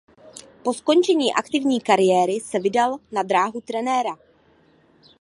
Po skončení aktivní kariéry se vydal na dráhu trenéra.